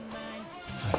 はい。